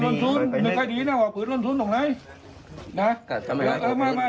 ปืนล้นซุ้นมีใครดีนะห่อปืนล้นซุ้นตรงไหนนะเออไม่ไม่